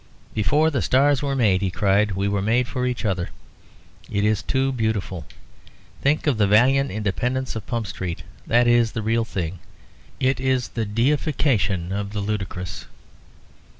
"Before the stars were made," he cried, "we were made for each other. It is too beautiful. Think of the valiant independence of Pump Street. That is the real thing. It is the deification of the ludicrous."